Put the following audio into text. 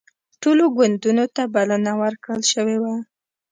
ټولو ګوندونو ته بلنه ورکړل شوې وه